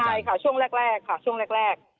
ใช่ค่ะช่วงแรกค่ะช่วงแรก